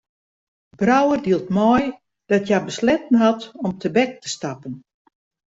Brouwer dielt mei dat hja besletten hat om tebek te stappen.